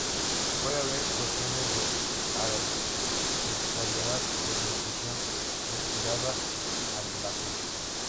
Puede haber cuestiones de arbitrariedad o de "intuición descuidada" al acecho.